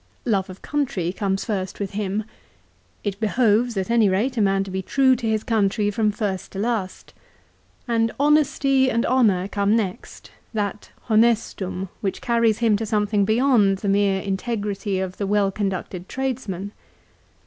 Love of country comes first with him. It behoves, at any rate, a man to be true to his country from first to last. And honesty and honour come next, that " honestum " which carries him to something beyond the mere integrity of the well con ducted tradesmen.